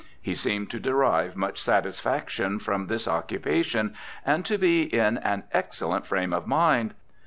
He seemed to derive much satisfaction from this occupation and to be in an excellent frame of mind.